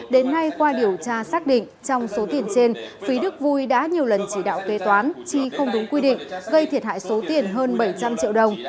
đến nay qua điều tra xác định trong số tiền trên phí đức vui đã nhiều lần chỉ đạo kê toán chi không đúng quy định gây thiệt hại số tiền hơn bảy trăm linh triệu đồng